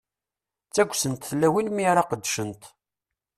Ttaggsent tlawin mi ara qeddcent.